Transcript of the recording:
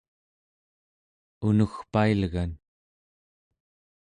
unugpailgan